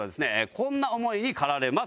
こんな思いに駆られます。